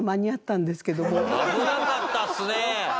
危なかったですね！